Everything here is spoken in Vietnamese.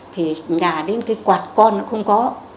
thì nhà đến cái quạt con nó không có